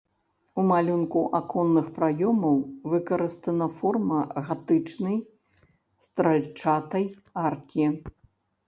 У малюнку аконных праёмаў выкарыстана форма гатычнай стральчатай аркі.